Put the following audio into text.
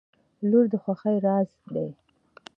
• لور د خوښۍ راز دی.